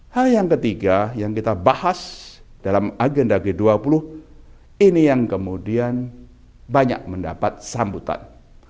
hal yang ketiga yang kita bahas dalam agenda g dua puluh ini yang kemudian banyak mendapat sambutan